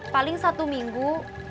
paling satu minggu